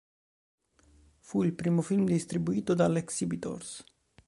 Fu il primo film distribuito dalla Exhibitors.